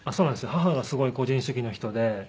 母がすごい個人主義の人で。